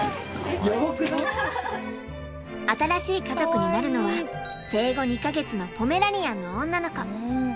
新しい家族になるのは生後２か月のポメラニアンの女の子。